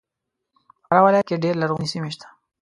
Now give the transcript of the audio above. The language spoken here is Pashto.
په فراه ولایت کې ډېر لرغونې سیمې سته